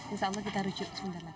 insya allah kita rujuk